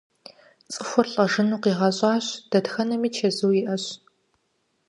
ЦӀыхур лӀэжыну къигъэщӀащ, дэтхэнэми чэзу иӀэщ.